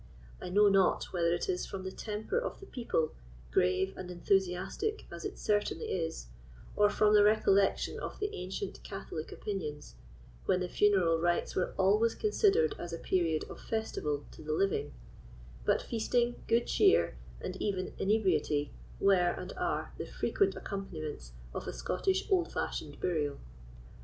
I know not whether it is from the temper of the people, grave and enthusiastic as it certainly is, or from the recollection of the ancient Catholic opinions, when the funeral rites were always considered as a period of festival to the living; but feasting, good cheer, and even inebriety, were, and are, the frequent accompaniments of a Scottish old fashioned burial.